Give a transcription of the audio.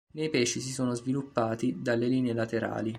Nei pesci si sono sviluppati dalle linee laterali.